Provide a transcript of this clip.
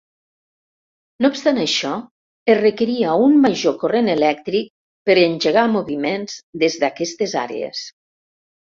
No obstant això, es requeria un major corrent elèctric per engegar moviments des d'aquestes àrees.